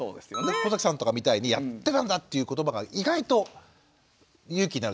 小崎さんとかみたいにやってたんだっていう言葉が意外と勇気になる。